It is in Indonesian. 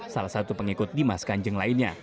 salah satu pengikut dimas kanjeng lainnya